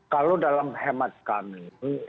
kalau dalam hemat kami